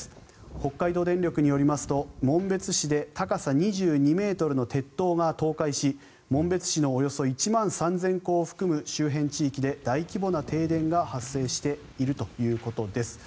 北海道電力によりますと紋別市で高さ２２ｍの鉄塔が倒壊し紋別市のおよそ１万３０００戸を含む周辺地域で大規模な停電が発生しているということです。